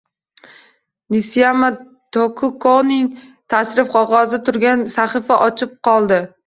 Nisiyama Tokukoning tashrif qog`ozi turgan sahifa ochiq qoldi